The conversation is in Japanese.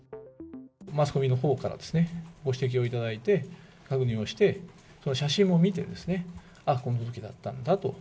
マスコミのほうからご指摘をいただいて、確認をして、その写真も見て、あっ、このときだったんだと。